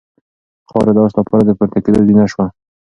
خاوره د آس لپاره د پورته کېدو زینه شوه.